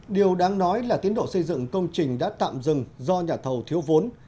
điều đáng nói là tiến độ xây dựng công trình đã tạm dừng do nhà thầu thiếu vốn